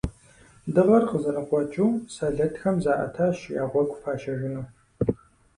Дыгъэр къызэрыкъуэкӏыу, сэлэтхэм заӏэтащ я гъуэгу пащэжыну.